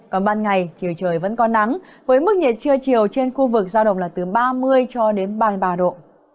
còn ban ngày trời vẫn có nắng với mức nhiệt trưa chiều trên khu vực giao động là từ ba mươi cho đến ba mươi ba độ